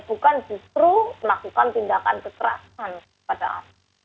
bukan justru melakukan tindakan kekerasan pada anak